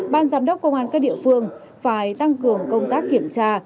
ban giám đốc công an các địa phương phải tăng cường công tác kiểm tra